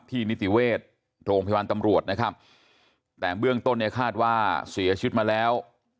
ที่นิติเวศโรงพยาบาลตำรวจนะครับแต่เบื้องต้นคาดว่าเสียชุดมาแล้ว